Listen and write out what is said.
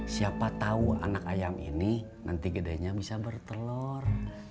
siapa tahu anak ayam ini nanti gedenya bisa bertelur